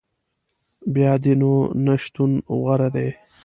بیا دي نو نه شتون غوره دی